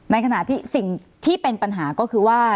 ในขณะที่สิ่งที่เป็นปัญหาก็คือว่า